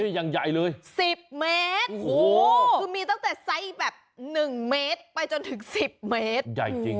อู้โหมาถึงต้นแต่ไซค์แบบ๑เมตรไปจนถึง๑๐เมตร